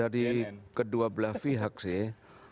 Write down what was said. dari kedua belah pihak sih